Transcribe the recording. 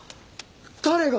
誰が。